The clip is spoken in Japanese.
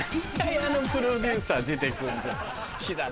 あのプロデューサー出て来んだよ